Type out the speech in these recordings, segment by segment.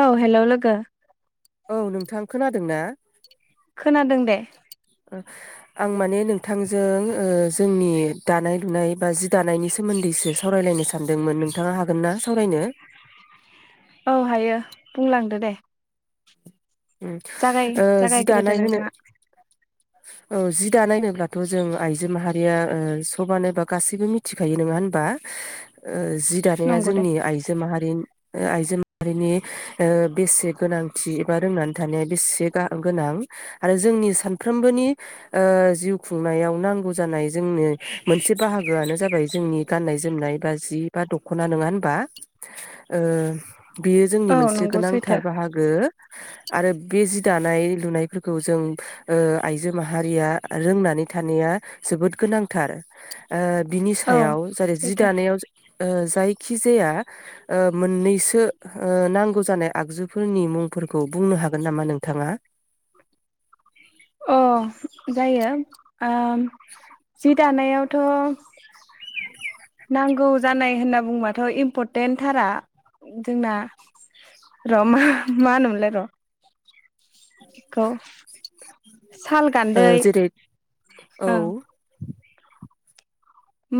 औ हेलौ लोग गो औ नोंथां खोनादोंना? खोनादों दे। आं माने नोंथांजों ओ जोंनि दानाय लुनाय बा जि दानायनि सोमोन्दैसो सावरायलायनो सानदोंमोन नोंथाङा हागोन ना सावरायनो? अ हायो बुंलांदो दे। ओम जागाय ओ जि जागायग्रोदो दानाय होनो नोंथाङा औ जि दानाय होनोब्लाथ' जों आइजो माहारिया ओ सबानो बा गासैबो मिथिखायो नङा होनबा ओ जि दानाया नंगौ दे जोंनि आइजो माहारिनि। ओ आइजो माहारिनि ओ बेसे गोनांथि बा रोंनानै थानाया बेसेबा गोनां आरो जोंनि सानफ्रोमबोनि ओ जिउ खुंनायाव नांगौ जानाय जोंनो मोनसे बाहागोआनो जाबाय जोंनि गाननाय जोमनाय बा जि बा दख'ना नङा होनबा? ओ बेयो जोंनि औ मोनसे नंगौ सैथो गोनांथार बाहागो। आरो बे जि दानाय लुनायफोरखौ जों ओ आइजो माहारिया रोंनानै थानाया जोबोद गोनांथार ओ बिनि औ सायाव जेरै जि सैथो दानायाव ओ जायखिजाया ओ मोननैसो ओ नांगौ जानाय आगजुफोरनि मुं फोरखौ बुंनो हागोन नामा नोंथांङा? अ जायो ओ जि दानायावथ' नांगौ जानाय होनना बुंबाथ' इम्परटेन्टथारा जोंना र मा मा होनोमोनलाय र [unintelligible] साल ओ गान्दै जेरै औ ओं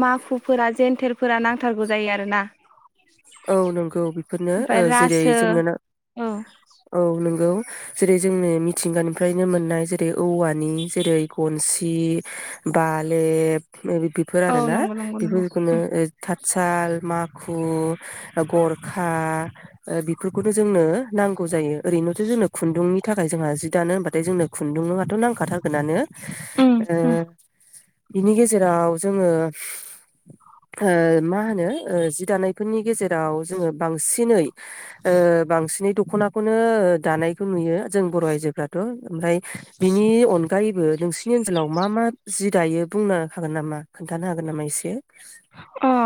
माखुफोरा जेेनथेरफोरा नांथारगौ जायो आरोना। औ नंगौ बेफोरनो ओमफ्राय ओ जेरै रासो जोङो ना औ औ नंगौ जेरै जोंनो मिथिंगानिफ्रायनो मोननाय जेरै औवानि जेरै गनसि बालेब [unintelligible] बेफोर औ आरो ना नंगौ नंगौ नंगौ बेफोरखौनो [inaudible] साल माखु ओ गरखा ओ बेफोरखौनो जोंनो नांगौ जायो ओरैनोथ जोंनो खुन्दुंनि थाखाय जोंहा जि दानो होनबाथाय जोंनो खुन्दुं हाथ नांखाथारगोनानो। उम उम ओ बिनि गेजेराव जोंङो मा ओ होनो ओ जि दानाय बेफोरनि गेजेराव जोङो बांसिनै ओ बांसिनै दखनाखौनो दानायखौ नुयो जों बर' आइजोफ्राथ' ओमफ्राय बिनि अनगायैबो नोंसिनि ओनसोलाव मा मा जि दायो बुंनो हागोन नामा खोन्थानो हागोन नामा एसे? अ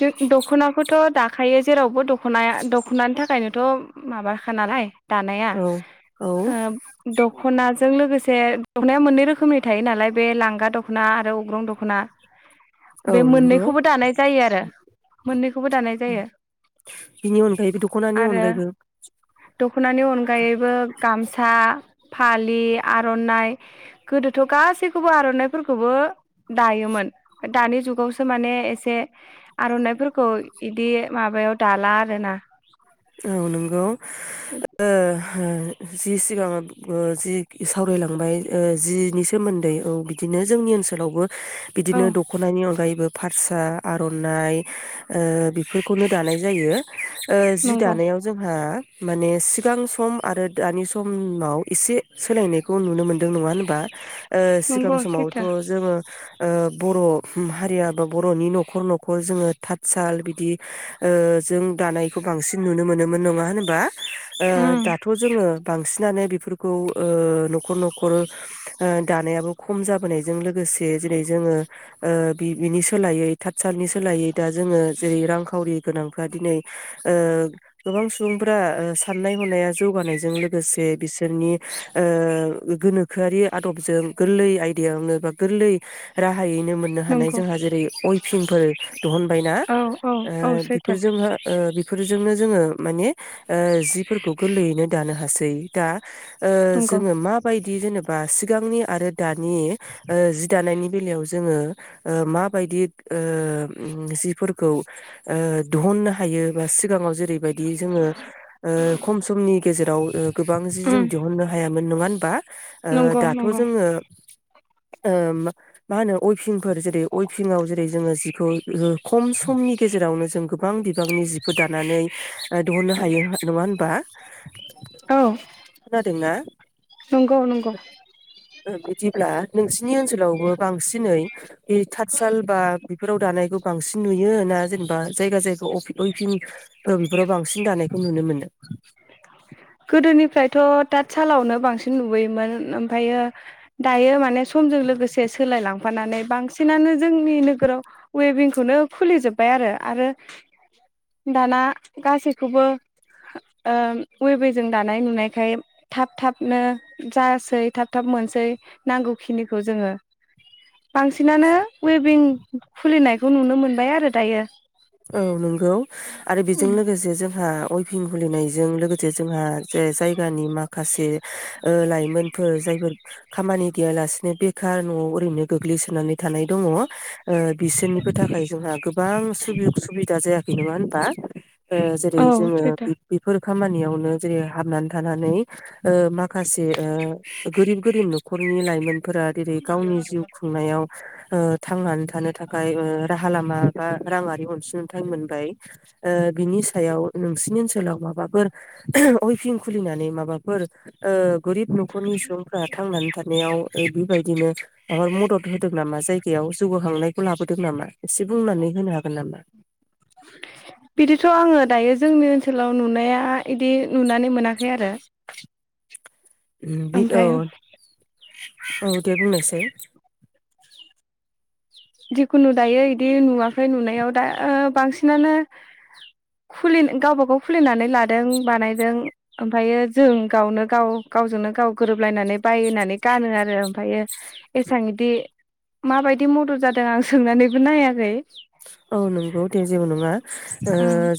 जों दख'नाखौथ' दाखायो जेरावबो दखनाया दखनानि थाखायनोथ' माबाखा नालाय दानाया औ औ ओ दखना जों लोगोसे दखनाया मोननै रोखोमनि थायो नालाय बे लांगा दखना आरो अग्रं दखना। औ बे नंगौ मोननैखौबो दानाय जायो आरो मोननैखौबो दानाय जायो बिनि अनगायैबो दख'नानि आरो अनगायैबो दख'नानि अनगायैबो गामसा फालि आरनाइ गोदोथ गासैखौबो आरनाइफोरखौबो दायोमोन दानि जुग बेखौसो माने एसे आरनाइफोरखौ इदि माबायाव दाला आरोना औ नंगौ ओ जि सिगाङाव जि सावरायलांबाय जिनि सोमोन्दै औ बिदिनो जोंनि ओनसोलावबो औ बिदिनो दखनानि अनगायै बो फारसा आर'नाइ बेफोरखौनो दानाय जायो। ओ जि नंगौ दानायाव जोंहा माने सिगां सम आरो दानि समाव एसे सोलायनायखौ नुनो मोनदों नङा होनबा? ओ सिगां नंगौ समावथ' सैथो जोंङो ओ बर' हारिया बा बर'नि नखर नखर जोङो थातसाल बिदि ओ जों दानायखौ बांसिन नुनो मोनोमोन नङा होनबा? ओ उम दाथ' जोङो बांसिनानो फोरखौ ओ नखर नखर ओ दानायाबो खम जाबोनायजों लोगोसे जेरै जोङो ओ बि बिनि सोलायै थातसालनि सोलायै दा जोङो जेरै रांखावरि गोनां फोरा दिनै ओ गोबां सुबुंफोरा ओ साननाय हनाया जौगानायजों लोगोसे बिसोरनि ओ गोनोखोआरि आदबजों गोरलै आयदायावनो बा गोरलै राहा हायनो मोननो हानाय नंगौ जोंहा जरै उइभिंफोर दिहुनबायना औ औ ओ औ बिफोर सैथो जोङो ओ बेजोंनो जोङो माने ओ जिफोरखौ गोरलैयैनो दानो हासै दा ओ नंगौ जोङो माबायदि दि जेनबा सिगांनि आरो दानि ओ जि दानायनि बेलायाव जोंङो ओ माबादि ओ जिफोरखौ ओ दिहुन्नो हायो बा सिगाङाव जेरै बायदि जोङो ओ खम समनि गेजे [unintelligible] गोबां जि जों उम दिहुननो हायामोन नङा होनबा ओ नंगौ दाथ' नंगौ जोङो ओ मा होनो अइभिंफोर जेरै अइभिंआव जेरै जोङो जिखौ [unintelligible] खम समनि गेजेरावनो जों गोबां बिबांनि जि दानानै दिहुननो हायो नङा होनबा औ खोनादोंना। नंगौ नंगौ बिदिब्ला नोंसिनि ओनसोलावबो बांसि दिनै बे थातसाल बा बेफोराव दानायखौ बांसिन नुयो ना जेनेबा जायगा जायगा अइभिं औ बेफोराव बांसिन दानायखौ नुनो मोनो । गोदोनिफ्रायथ' ताटसालावनो बांसिन नुबोयोमोन ओमफ्रायो दायो माने समजों लोगोसे सोलायलांफानानै बांसिनानो जोंनि नोगोराव अइभिंखौनो खुलिजोबबाय आरो आरो दाना गासैखौबो ओ उइभिंजों दानाय नुनायखाय थाब थाबनो जासै थाब थाब मोनसै नांगौखिनिखौ जोङो । बांसिनानो उइभिं खुलिनायखौ नुनो मोनबाय आरो दायो । औ नोंगौ आरो बेजों लोगोसे जोंहा अइभिं खुलिनायजों लोगोसे जोंहा जे जायगानि माखासे ओ लाइमोनफोर जायफोर खामानि गैयालासेनो बेखार नआव ओरैनो गोग्लैसोनानै थानाय दङ। ओ बिसोरनिबो थाखाय जोंहा गोबां सुबि सुबिदा जायाखै नङा होनबा। ओ जेरै औ जोङो सैथो बे-बेफोर खामानियावनो जेरै हाबनानै थानानै ओ माखासे गोरिब गोरिब नखरनि लाइमोन फोरा देरै गावनि जिउ खुंनायाव ओ‌ थांनानै था थानो थाखाय राहा लामा बा राङारि अनसुं थाइ मोनबाय ओ बिनि सायाव बांसिनि ओनसोलाव माबाफोर अइफिं खुलिनानै माबाफोर गोरिब नखरनि सुबुंफ्रा थांनानै खारनायाव बेबायदिनो माबा मदद होदों नामा जायगायाव जौगाखांनायखौ लाबोदों नामा एसे बुंनानै होनो हागोन नामा बिदिथ' आङो दायो जोंनि ओनसोलाव नुनाया बिदि नुनानै मोनाखै आरो । उम बि औ औ दे बुंनोसै [inaudible] जिखुनु दायो इदि नुवाखै नुनायाव दा बांसिनानो खुलि गावबा गाव खुलिनानै लादों बानायदों ओमफ्रायो जों गावनो गाव गावजोंनो गाव गोरोबलायनानै बायनानै गानो आरो ओमफ्रायो एसां इदि माबायदि मदद जादों दों आं सोंनानैबो नायाखै औ नंगौ दे जेबो नङा ओ ओं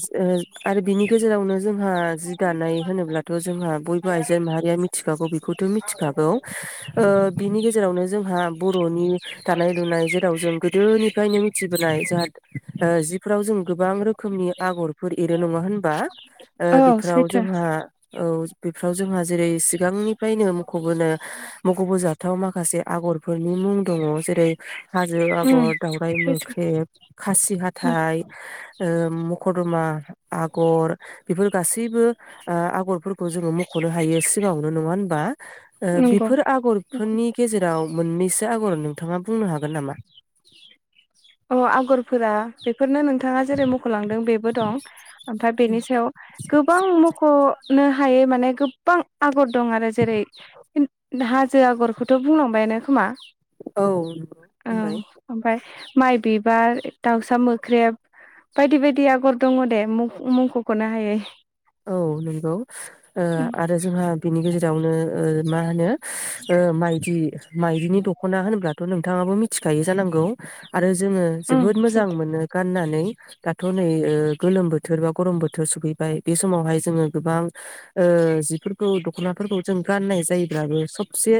आरो बिनि गेजेरावनो जोंहा जि दानाय होनोब्लाथ जोंहा बयबो आइजो माहारिया मिथिखागौ बेखौथ मिथिखागौ ओ बिनि गेजेरावनो जोंहा बर'नि दानाय लुनाय जेराव जों गोदोनिफ्रायनो मिथिबोनाय जाहा ओ जिफोराव जों गोबां रोखोमनि आगरफोर एरो नङा होनबा? ओ औ बेफोराव सैथो जोंहा औ बेफोराव जोंहा जेरै सिगांनि फ्रायनो मखबोनो मखबो जाथाव माखासे आगरफोरनि मुं दङ जेरै हाजो उम आगर दाावराइ सैथो मोख्रेब खासि हाथाय ओ मखदमा आगर बेफोर गासैबो ओ आगरफोरखौ जोङो मखनो हायो सिगाङावनो नङा होनबा ओ नंगौ बेफोर आगरफोरनि गेजेराव मोननैसो आगर नोंथाङा बुंनो हागोन नामा अ आगरफोरा बे फोरनो नोंथाङा जेरै मखलांदों बेबो दं ओमफ्राय बेनि सायाव गोबां मख नो हायै माने गोब्बां आगर दं आरो जेरै हाजो आगरखौथ' बुंलांबायानो खोमा? औ नंगौ औ बुंबाय ओमफ्राय माइ बिबार दाउसा मोख्रेब बायदि बायदि आगर दङ दे मुंखौखौनो हायै औ नंगौ ओ आरो जोंहा बिनि गेजेर जावनो ओ मा होनो ओ माइदि मायदिनि दखना होनोब्लाथ नोंथाङाबो मि थिखायो जानांगौ आरो जोङो उम जोबोद मोजां सैथो मोनो गाननानै। नै दाथ' नै ओ गोलोम बोथोर बा गरम बोथोर सफैबाय। बे समावहाय जोङो गोबां ओ जिफोरखौ दखनाफोरखौ जों गाननाय जायोब्लाबो सबसे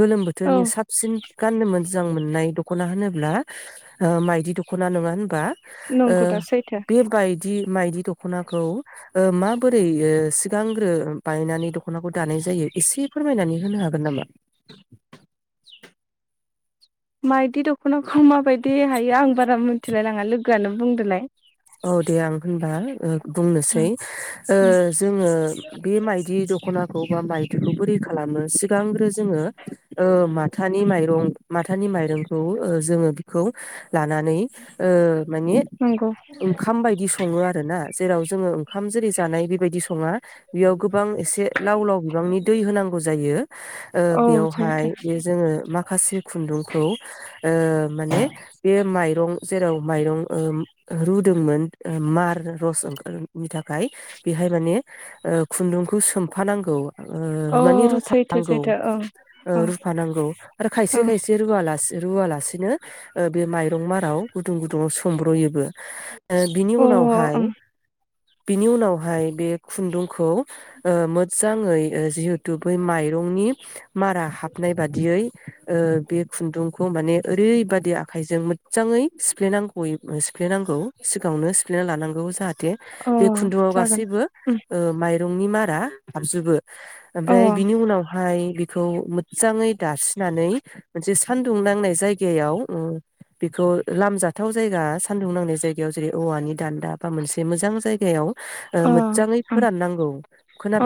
गोलोम औ बोथोरनि साबसिन गाननो मोजां मोननाय दख खना होनोब्ला ओ माइदि दखना नङा होनबा। ओ नंगौ दा सैथो बे बाय दि माइदि दखनाखौ। ओ माबोरैयो सिगांग्रो बायनानै दखनाखौ दानाय जायो एसे फोरमायनानै होनो हागोन नामा? माइदि दख'ना खौ माबायदि हायो आं बारा मोन थिलायलाङा लोगोआनो बुंदोलाय। औ दे आं होनबा ओ बुंनोसै ओ जोङो बे माइदि द दख'नाखौ बा माइदुखौ बोरै खालामो सिगांग्रो जोङो ओ माथानि माइरं माथानि माइरंखौ ओ जोङो। खौ। लानानै ओ माने। नंगौ ओंखाम बायदि सङो आरो ना जेराव जोङो खाम जेरै जानाय बेबायदि सङा बेयाव गोबां एसे लाव लाव बिबांनि दै होनांगौ जायो ओ औ बेयावहाय सैथो बे जोङो माखासे खुन्दुंखौ ओ माने बे माइरं जेराव माइरं ओम ओहोरु दुंमोन ओ मार रस ओंखारो मिथा खाय बेहाय माने ओ खुन्दुंखौ सोमफानां औवा अ ओ मानि सैथो रुफानांगौ सैथो ओ ओं रुफानांगौ आरो खायसे औ खायसे रुवालासे रुवालासिनो ओ बे माइरं माराव गुदुं गुदुङाव समब्रयोबो। ओ बिनि औ उनावहाय अ बिनि उनावहाय बे खुन्दुंखौ। ओ मोसा जाङै ओ जिहेतु बै माइरंनि मारा हाबनाय बादियै ओ बे खुन्दुं बेखौ माने ओरैबादि आखाइजोंमोन मोजाङै सिफ्लेनांगौयै सिफ्लेनांगौ सिगाङावनो सिफ्लेना लानांगौ जाहा बे ओं अ खुन्दुंआव जागोन गासैबो उम ओ माइ रंनि निमारा हाबजोबो अ ओमफ्राय बिनि उनावहाय बिखौ मोजाङै दास्रिनानै मोनसे सु खानदुं नांनाय जायगायाव ओ बेखौ लामजाथाव जायगा सानदुं नांनाय जाय बेयाव जेरै औवानि दान्दा बा मोनसे मोजां जाय एयाव औ अ ओं मोजजाङै फोराननांगौ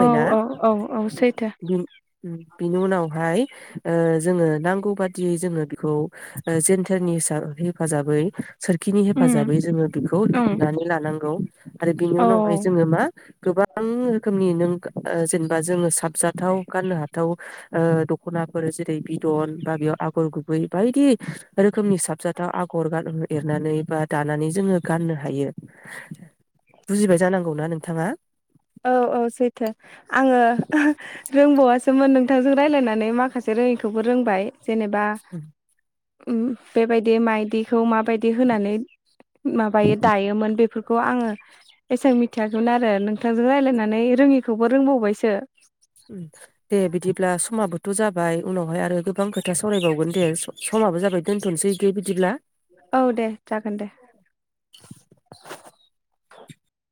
औ [inaudible] औ औ औ सैथो बिनि उनावहाय औ जोङो नांगौ बादियै जोङो बेखौ औ जेन्टारनि [unintelligible] हेफाजाबै सोरखिनि उम हेफाजाबै जोङो खौ उम लुनानै लानांगौ आरो बेनि औ उनावहाय जोङो मा गोबां रोखोमनि नों ओ जेनेबा जोङो साबजाथाव गाननो हाथाव ओ दख'नाफोर जेरै बिदन बा बेयाव आगर गुबै बायदि रोखोमनि साबजाथाव आगर गानोमोन। एरनानै बा दानानै जोङो गाननो हायो बुजिबाय जानांगौना नोंथाङा औ औ सैथो आङो रोंबावासोमोन नोंथांजों रायलायनानै माखासे रोङिखौबो रोंबाय। जेनेबा उम बेबायदि मायदिखौ माबायदि होनानै माबायो दायोमोन बे बेखौ आङो एसेबां मिथियाखैमोन आरो नों नोंथांजों रायलियनानै रोङिखौबो रोंबावबायसो। दे बिदि ब्ला समाबोथ जाबाय उनावहाय आरो गोबां खोथा सावरायबावगोन दे स-समाबो जाबाय दोन्थनोसै दि बिदि बिदिब्ला औ दे जागोन दे